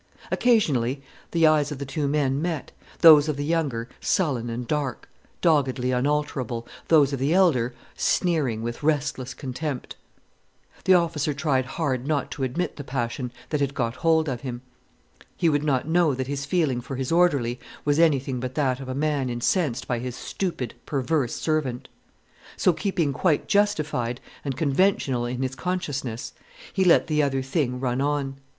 Occasionally, the eyes of the two men met, those of the younger sullen and dark, doggedly unalterable, those of the elder sneering with restless contempt. The officer tried hard not to admit the passion that had got hold of him. He would not know that his feeling for his orderly was anything but that of a man incensed by his stupid, perverse servant. So, keeping quite justified and conventional in his consciousness, he let the other thing run on.